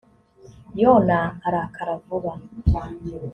yona arakara vuba.